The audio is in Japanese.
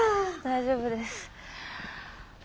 大丈夫です。